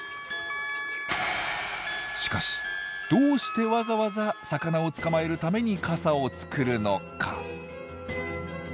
しかしどうしてわざわざ魚を捕まえるために傘を作るのか？